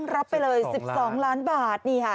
๒๖๑๒รับไปเลย๑๒ล้านบาทนี่ค่ะ